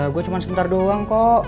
gue cuma sebentar doang kok